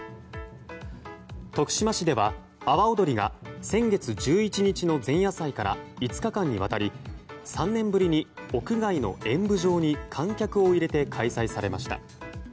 徳島市では、阿波おどりが先月１１日の前夜祭から５日間にわたり３年ぶりに屋外の演舞場に観客を入れて開催されました。